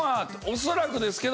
恐らくですけど。